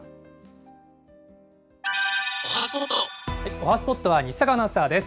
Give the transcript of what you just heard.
おはＳＰＯＴは西阪アナウンサーです。